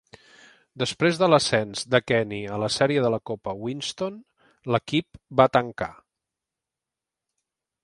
Després de l'ascens de Kenny a la sèrie de la Copa Winston, l'equip va tancar.